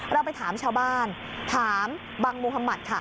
เราไปถามชาวบ้านถามบังมุธมัติค่ะ